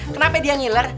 kenapa dia ngiler